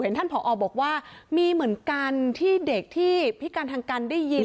ท่านผอบอกว่ามีเหมือนกันที่เด็กที่พิการทางการได้ยิน